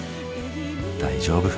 大丈夫。